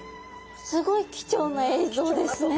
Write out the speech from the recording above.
すごい貴重な映像ですね。